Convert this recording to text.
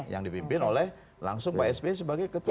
yang dipimpin oleh langsung pak sby sebagai ketua majelis tinggi partai